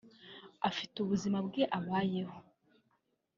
afite ubuzima bwe abayeho